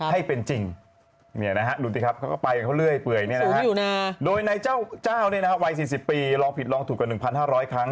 ให้เป็นจริงนี่นะฮะเขาก็ไปเขาเรื่อยโดยนายเจ้าเจ้าเนี่ยนะวัย๔๐ปีลองผิดลองถูกกับ๑๕๐๐ครั้ง